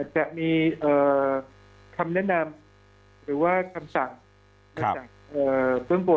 จะมีคำแนะนำหรือว่าคำสั่งมาจากเบื้องบน